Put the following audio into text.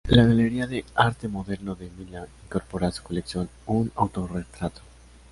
La Galería de Arte Moderno de Milán incorpora a su colección un autorretrato.